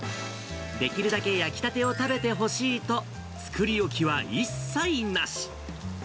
できるだけ焼きたてを食べてほしいと、作り置きは一切なし。